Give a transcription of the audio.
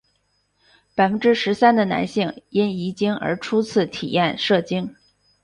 百分之十三的男性因遗精而初次体验射精。